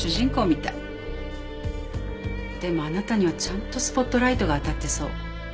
でもあなたにはちゃんとスポットライトが当たってそう。